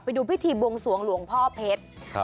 ไปดูพิธีบวงสวงหลวงพ่อเพชร